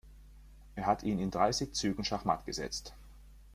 Er hat ihn in dreißig Zügen schachmatt gesetzt.